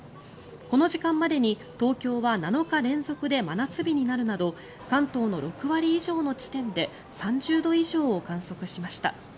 この時間までに東京は７日連続で真夏日になるなど関東の６割以上の地点で３０度以上を観測しました。